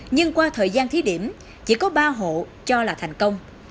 nhưng qua thời gian thí điểm chỉ có ba hộ cho là thành công